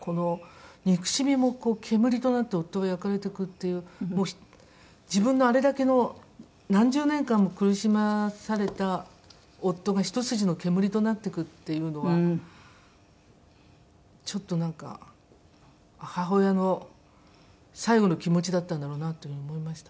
「憎しみも煙となって夫が焼かれていく」っていう自分のあれだけの何十年間も苦しまされた夫がひと筋の煙となっていくっていうのはちょっとなんか母親の最後の気持ちだったんだろうなという風に思いました。